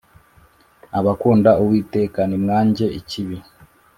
Abakunda uwiteka nimwanjye ikibi